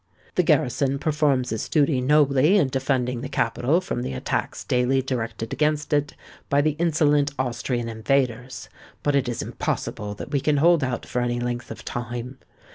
The garrison performs its duty nobly in defending the capital from the attacks daily directed against it by the insolent Austrian invaders; but it is impossible that we can hold out for any length of time.